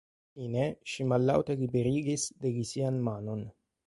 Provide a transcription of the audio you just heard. Fine ŝi mallaŭte liberigis de li sian manon.